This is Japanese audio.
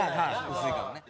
薄いからね。